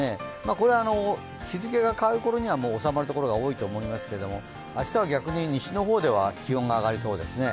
これは日付が変わるころには収まるところが多いと思いますけど明日は逆に西の方では気温が上がりそうですね。